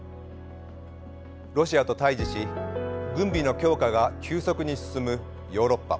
ロシアと対峙し軍備の強化が急速に進むヨーロッパ。